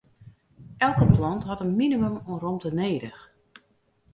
Elke plant hat in minimum oan romte nedich.